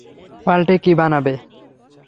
পাল্টে কী বানাবে?